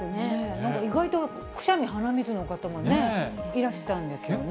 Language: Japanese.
なんか意外と、くしゃみ、鼻水の方もね、いらしたんですよね。